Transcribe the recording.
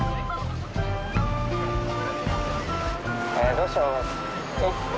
どうしよう。